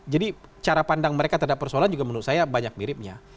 jadi cara pandang mereka terhadap persoalan juga menurut saya banyak miripnya